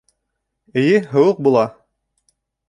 Эйе, һыуыҡ була